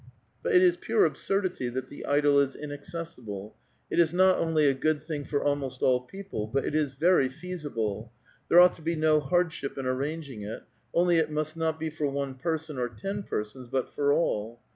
But it is pure absurdity that the idyl is inaccessible ; it is not only a good thing for almost all people, but it is very feasible ; there ought to be no hardship in arranging it, only it must not be for one person, or ten persons, but for all.